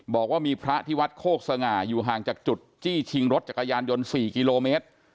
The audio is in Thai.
บอกว่ามีพระที่วัดโคกสง่าอยู่ห่างจากจุดจี้ชิงรถจักรยานยนต์๔กิโลเมตร